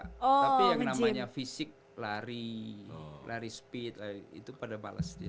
tapi yang namanya fisik lari lari speed itu pada bales